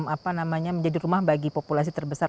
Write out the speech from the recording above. apa namanya menjadi rumah bagi populasi terbesar